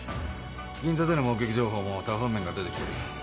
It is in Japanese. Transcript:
銀座での目撃情報も多方面から出てきてる。